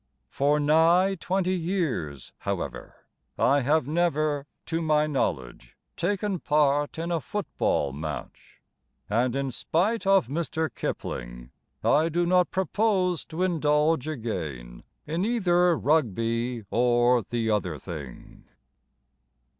For nigh twenty years, however, I have never, to my knowledge, Taken part in a football match; And, in spite of Mr. Kipling, I do not propose to indulge again In either Rugby or the other thing.